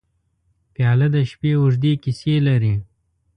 پیاله د شپې اوږدې کیسې لري.